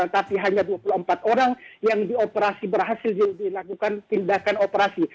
tapi hanya dua puluh empat orang yang dioperasi berhasil dilakukan tindakan operasi